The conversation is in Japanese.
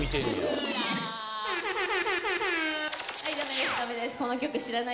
はいダメですダメです。